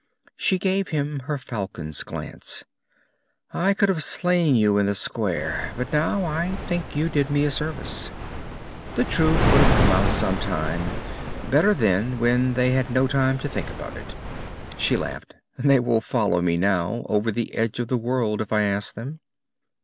She gave him her falcon's glance. "I could have slain you in the square, but now I think you did me a service. The truth would have come out sometime better then, when they had no time to think about it." She laughed. "They will follow me now, over the edge of the world, if I ask them."